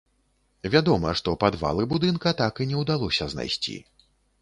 Вядома, што падвалы будынка так і не ўдалося знайсці.